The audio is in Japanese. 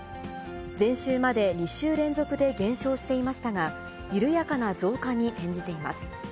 前週まで２週連続で減少していましたが、緩やかな増加に転じています。